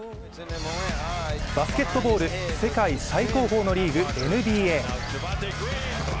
バスケットボール世界最高峰のリーグ・ＮＢＡ。